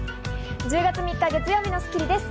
１０月３日、月曜日の『スッキリ』です。